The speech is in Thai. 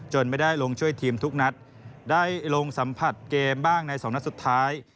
ไม่ได้ลงช่วยทีมทุกนัดได้ลงสัมผัสเกมบ้างในสองนัดสุดท้าย